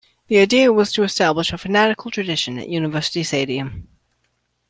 The idea was to establish a fanatical tradition at University Stadium.